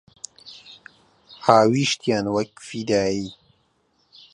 هاویشتیان وەک فیدایی